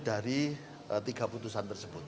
dari tiga putusan tersebut